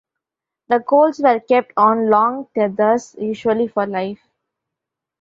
The colts were kept on long tethers, usually for life.